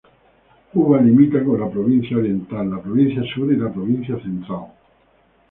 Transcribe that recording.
Uva limita con la Provincia Oriental, la Provincia Sur y la Provincia Central.